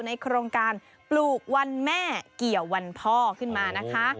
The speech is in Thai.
โครงการปลูกวันแม่เกี่ยววันพ่อขึ้นมานะคะ